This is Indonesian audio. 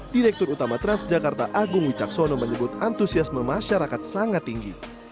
direktur utama transjakarta agung wicaksono menyebut antusiasme masyarakat sangat tinggi